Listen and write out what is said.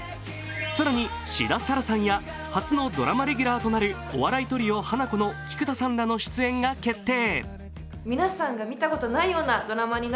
更に志田彩良さんや初のドラマレギュラーとなるお笑いトリオ・ハナコの菊田さんらの出演が決定。